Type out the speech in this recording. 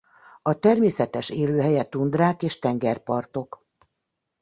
A természetes élőhelye tundrák és tengerpartok.